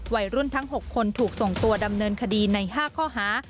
วัยรุ่นทั้ง๖คนถูกส่งตัวดำเนินคดีใน๕ข้อหา